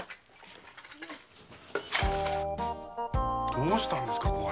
どうしたんですか？